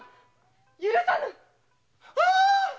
許さぬ。